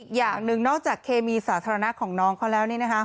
อย่างหนึ่งนอกจากเคมีสาธารณะของน้องเขาแล้ว